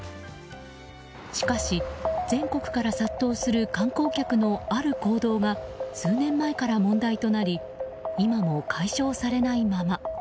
しかし、全国から殺到する観光客のある行動が数年前から問題となり今も解消されないまま。